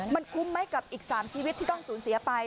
มันคุ้มไหมกับอีก๓ชีวิตที่ต้องสูญเสียไป